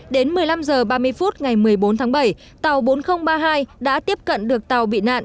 đến một mươi năm h ba mươi phút ngày một mươi bốn tháng bảy tàu bốn nghìn ba mươi hai đã tiếp cận được tàu bị nạn